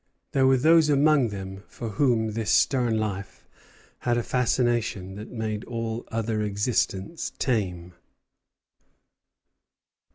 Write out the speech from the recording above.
There were those among them for whom this stern life had a fascination that made all other existence tame.